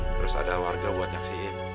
terus ada warga buat nyaksiin